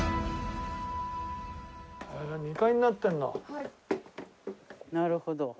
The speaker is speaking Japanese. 続いてなるほど。